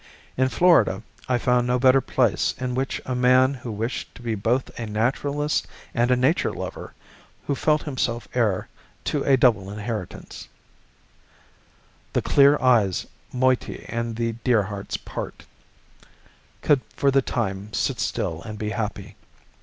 In Florida, I found no better place in which a man who wished to be both a naturalist and a nature lover, who felt himself heir to a double inheritance, "The clear eye's moiety and the dear heart's part," could for the time sit still and be happy.